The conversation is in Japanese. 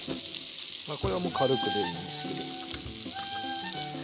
これはもう軽くでいいですけど。